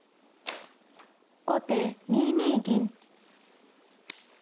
後手２二銀。